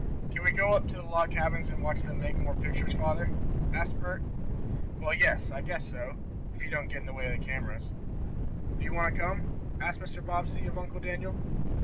"Can we go up to the log cabins and watch them make more pictures, father?" asked Bert. "Well, yes, I guess so; if you don't get in the way of the cameras. Do you want to come?" asked Mr. Bobbsey of Uncle Daniel.